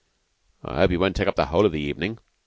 "Hope he won't take up the whole of the evening.